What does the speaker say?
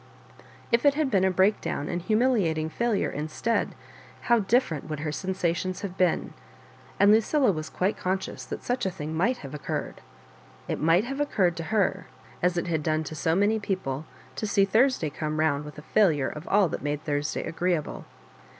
If it had been a break down and humiliating failure instead, how dif ferent would her sensations have been ! and Lu cilla was quite conscious that such a thing might have occurred. It might have occurred to her, as it had done to so many people, to see Thurs day come round with a failure of all that made Thursday agreeable.